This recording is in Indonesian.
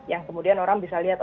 yang kemudian orang bisa lihat